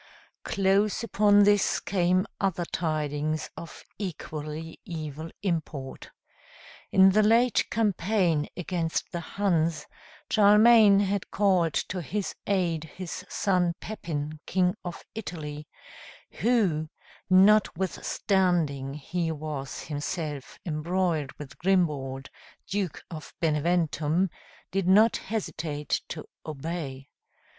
Close upon this came other tidings of equally evil import. In the late campaign against the Huns, Charlemagne had called to his aid his son Pepin, King of Italy, who, notwithstanding he was himself embroiled with Grimbald, Duke of Beneventum, did not hesitate to obey.